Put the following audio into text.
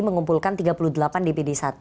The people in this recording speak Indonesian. mengumpulkan tiga puluh delapan dpd satu